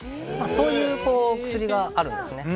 そういう薬があるんですね。